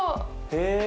へえ。